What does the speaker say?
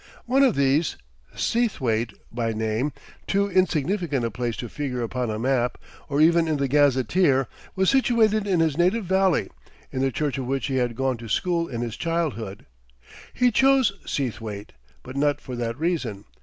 One of these, Seathwaite by name, too insignificant a place to figure upon a map, or even in the "Gazetteer," was situated in his native valley, in the church of which he had gone to school in his childhood. He chose Seathwaite, but not for that reason.